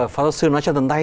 pháp giáo sư nói trong tâm tay